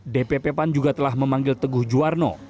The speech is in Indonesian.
dpp pan juga telah memanggil teguh juwarno